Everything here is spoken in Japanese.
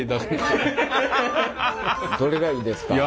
どれがいいですか？